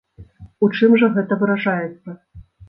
У чым гэта выражаецца?